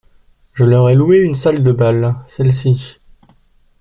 Je leur ai loué une salle de bal, celle-ci.